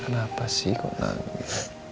karena kenapa sih kok nangis